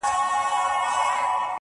کتاب یعني له خپګان څخه خلاصون